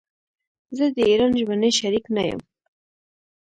زه د ايران ژبني شريک نه يم.